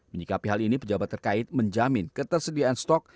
menyikapi hal ini pejabat terkait menjamin ketersediaan stok